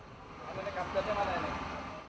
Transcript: jangan lupa like share dan subscribe ya